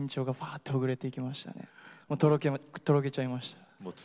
とろけちゃいました。